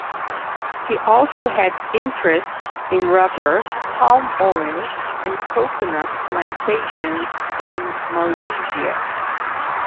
He also had interests in rubber, palm oil and coconut plantations in Malaysia.